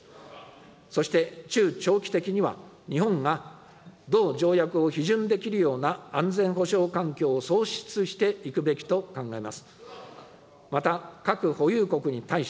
そして中長期的には日本が同条約を批准できるような安全保障環境を創出していくべきと考えます。